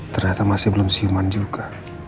ternyata masih belum siuman juga